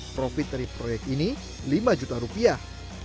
profit dari proyek ini lima juta rupiah